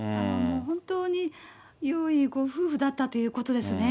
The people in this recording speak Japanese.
本当によいご夫婦だったということですね。